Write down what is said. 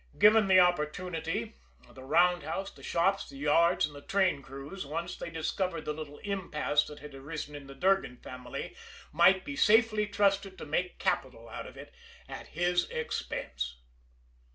Given the opportunity, the roundhouse, the shops, the yards, and the train crews, once they discovered the little impasse that had arisen in the Durgan family, might be safely trusted to make capital out of it at his expense.